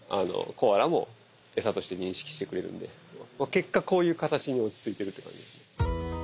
結果こういう形に落ち着いているって感じですね。